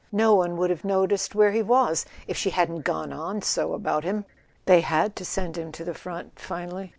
No one would have noticed where he was if she hadn't gone on so about him. They had to send him to the front finally.